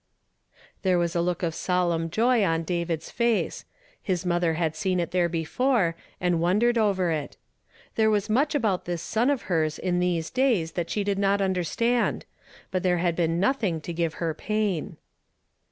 There was a look of solemn joy on David's face ; his mother had seen it there before, and wondered over it. There was much about this son of hei s in these days that slie did not understand, but there had been nothing to give her pain.